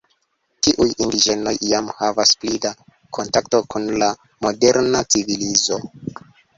Tiuj indiĝenoj jam havas pli da kontakto kun la moderna civilizo.